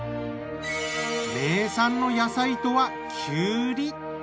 名産の野菜とはきゅうり。